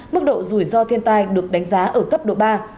mức độ rủi ro thiên tai được đánh giá ở cấp độ ba